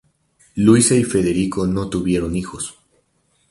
Luisa y Federico no tuvieron hijos.